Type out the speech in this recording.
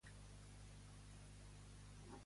Què han afirmat les autoritats veneçolanes?